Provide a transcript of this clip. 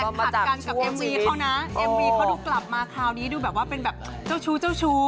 ผัดกันกับเอ็มวีเขานะเอ็มวีเขาดูกลับมาคราวนี้ดูแบบว่าเป็นแบบเจ้าชู้เจ้าชู้